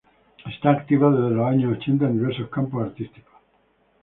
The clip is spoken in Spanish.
Está activa desde los años ochenta en diversos campos artísticos.